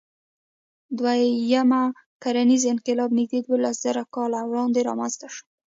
دوهیم کرنیز انقلاب نږدې دولسزره کاله وړاندې رامنځ ته شو.